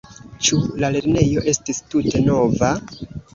Ĉu la lernejo estis tute nova?